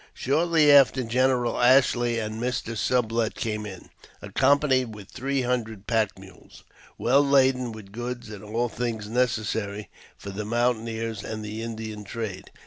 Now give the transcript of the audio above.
Shortly after, General Ashley and Mr. Sublet came in, accompanied with three hundred pack mules, well laden with goods and all things necessary for the mountaineers and the Indian trade.